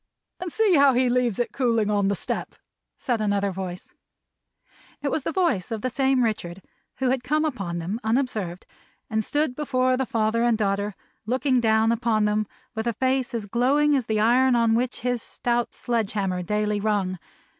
"And see how he leaves it cooling on the step!" said another voice. It was the voice of the same Richard, who had come upon them unobserved, and stood before the father and daughter; looking down upon them with a face as glowing as the iron on which his stout sledge hammer daily rung.